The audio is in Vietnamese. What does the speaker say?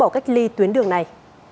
cách ly tuyến đường này